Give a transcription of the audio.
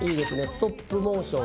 ストップモーション